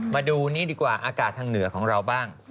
มาดูอากาศทางเหนือของเราบ้าง